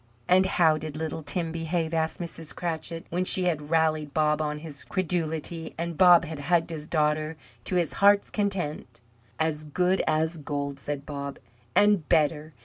"And how did little Tim behave?" asked Mrs. Cratchit, when she had rallied Bob on his credulity, and Bob had hugged his daughter to his heart's content. "As good as gold," said Bob, "and better.